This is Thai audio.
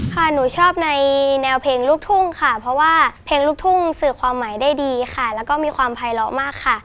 หนูชอบในแนวเพลงลูกทุ่งค่ะเพราะว่าเพลงลูกทุ่งสื่อความหมายได้ดีค่ะแล้วก็มีความภายล้อมากค่ะ